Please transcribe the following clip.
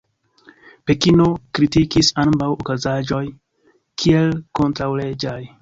Pekino kritikis ambaŭ okazaĵoj kiel kontraŭleĝaj.